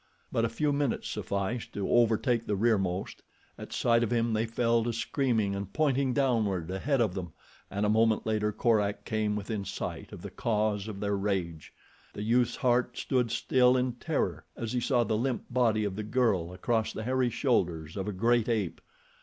But a few minutes sufficed to overtake the rearmost. At sight of him they fell to screaming and pointing downward ahead of them, and a moment later Korak came within sight of the cause of their rage. The youth's heart stood still in terror as he saw the limp body of the girl across the hairy shoulders of a great ape.